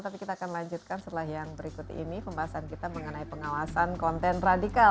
tapi kita akan lanjutkan setelah yang berikut ini pembahasan kita mengenai pengawasan konten radikal